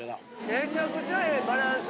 めちゃくちゃええバランス。